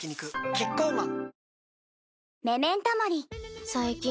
キッコーマン